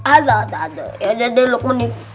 ada ada ada ya udah deh lo kemana ini